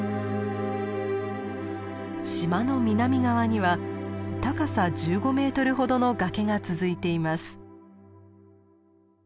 島の南側には高さ１５メートルほどの崖が続いています。